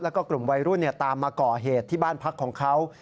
แล้วก็กลุ่มวัยรุ่นตามมาก่อเหตุที่บ้านพักของเขา